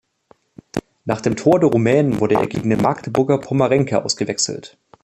Nach dem Tor der Rumänen wurde er gegen den Magdeburger Pommerenke ausgewechselt.